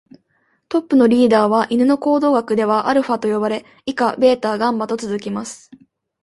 トップのリーダーは犬の行動学ではアルファと呼ばれ、以下ベータ、ガンマと続きます。